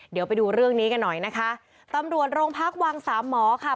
เดี๋ยวไปดูเรื่องนี้กันหน่อยนะคะตำรวจโรงพักวังสามหมอค่ะ